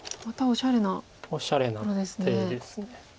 おしゃれな手です。